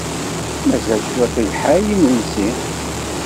Mazal cwiṭ lḥal i yimensi.